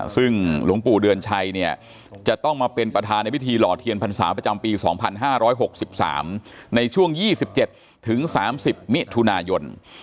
ซึ่งหลวงปู่เดือนชัยเนี่ยจะต้องมาเป็นประธานในพิธีหล่อเทียนพรรษาประจำปี๒๕๖๓ในช่วง๒๗๓๐มิถุนายน